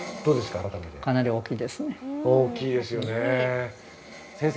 改めて大きいですよね先生